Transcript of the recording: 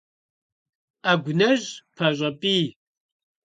Ӏэгу нэщӀ пащӀэ пӀий.